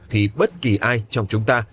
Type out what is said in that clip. thì bất kỳ ai trong chúng ta